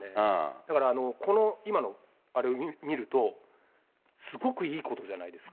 だから、この今のあれを見ると、すごくいいことじゃないですか。